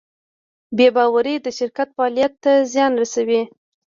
بېباورۍ د شرکت فعالیت ته زیان رسوي.